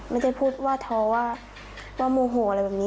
ไม่ได้พูดว่าท้อว่าโมโหอะไรแบบนี้